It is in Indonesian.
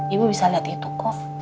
ibu bisa liat itu kok